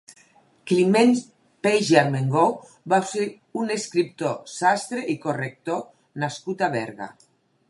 Climent Peix i Armengou va ser un escriptor, sastre i corrector nascut a Berga.